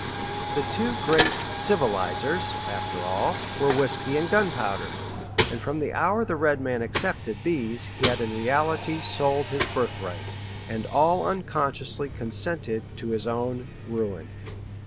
The two great "civilizers," after all, were whiskey and gunpowder, and from the hour the red man accepted these he had in reality sold his birthright, and all unconsciously consented to his own ruin.